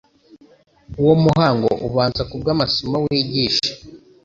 Uwo muhango ubanza kubw'amasomo wigisha,